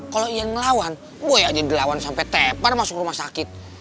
kalau ian ngelawan boy aja dilawan sampai tepar masuk rumah sakit